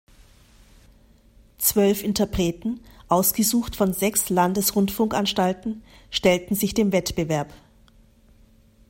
Zwölf Interpreten, ausgesucht von sechs Landesrundfunkanstalten, stellten sich dem Wettbewerb.